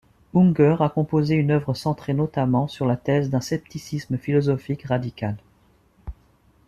Unger a composé une œuvre centrée notamment sur la thèse d'un scepticisme philosophique radical.